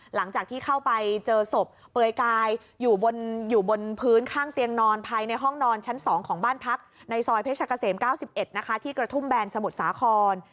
หลังจากที่เข้าไปเจอศพเปลือยกายอยู่บนพื้นข้างเตียงนอนภายในห้องนอนชั้น๒ของบ้านพักในซอยเพชรกะเสม๙๑นะคะที่กระทุ่มแบนสมุทรสาคร